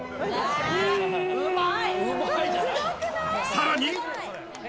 さらに。